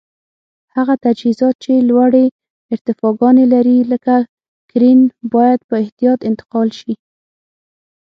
هغه تجهیزات چې لوړې ارتفاګانې لري لکه کرېن باید په احتیاط انتقال شي.